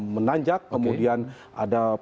menanjak kemudian ada